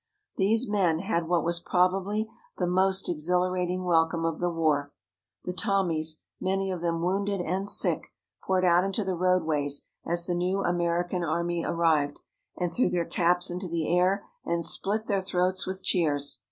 These men had what was probably the most exhilarating welcome of the war. The Tommies, many of them wounded and sick, poured out into the roadways as the new American Army arrived, and threw their caps into the air and split their throats with cheers.